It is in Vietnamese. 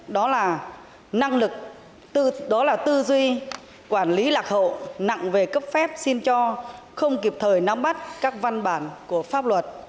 đó là năng lực đó là tư duy quản lý lạc hậu nặng về cấp phép xin cho không kịp thời nắm bắt các văn bản của pháp luật